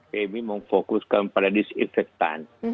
pmi memfokuskan pada disinfektan